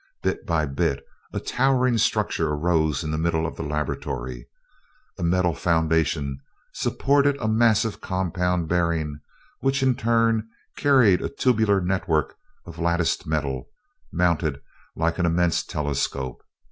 Bit by bit a towering structure arose in the middle of the laboratory. A metal foundation supported a massive compound bearing, which in turn carried a tubular network of latticed metal, mounted like an immense telescope.